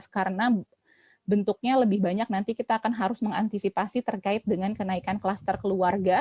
karena bentuknya lebih banyak nanti kita akan harus mengantisipasi terkait dengan kenaikan kluster keluarga